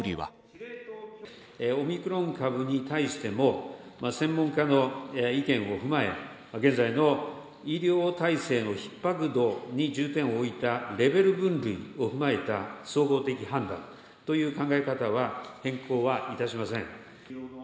オミクロン株に対しても、専門家の意見を踏まえ、現在の医療体制のひっ迫度に重点を置いたレベル分類を踏まえた総合的判断という考え方は変更はいたしません。